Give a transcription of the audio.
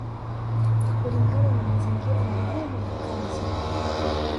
kulingana na mazingira magumu ya kazi